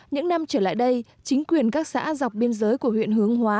những năm trở lại đây chính quyền các xã dọc biên giới của huyện hướng hóa